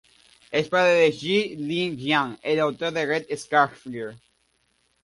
Es padre de Ji-li Jiang, el autor de Red Scarf Girl.